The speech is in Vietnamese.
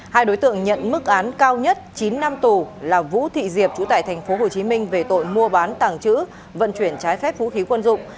hai đối tượng nhận mức án cao nhất chín năm tù là vũ thị diệp chủ tại tp hcm về tội mua bán tàng trữ vận chuyển trái phép vũ khí quân dụng